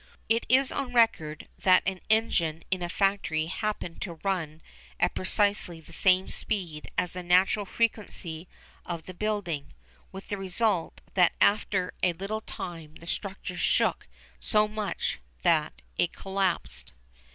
It is on record that an engine in a factory happened to run at precisely the same speed as the natural frequency of the building, with the result that after a little time the structure shook so much that it collapsed.